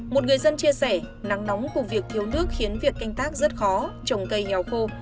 một người dân chia sẻ nắng nóng của việc thiếu nước khiến việc canh tác rất khó trồng cây nghèo khô